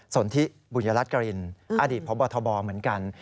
ส่วนที่ปุญญรัติกรินอดีตพบนธบเหมือนกัน